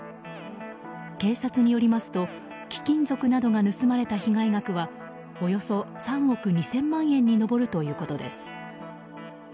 警察によりますと貴金属などが盗まれた被害額はおよそ３億２０００万円に上るということです。